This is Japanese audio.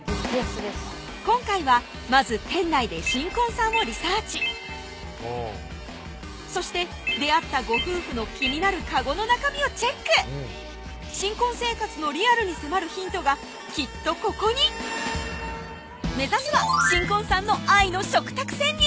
今回はまず店内で新婚さんをリサーチそして出会ったご夫婦の気になるカゴの中身をチェック新婚生活のリアルに迫るヒントがきっとここに目指すは新婚さんの愛の食卓潜入